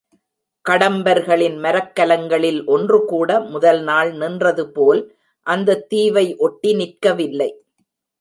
கடம்பர்களின் மரக்கலங்களில் ஒன்றுகூட முதல்நாள் நின்றதுபோல் அந்தத் தீவை ஒட்டி நிற்கவில்லை.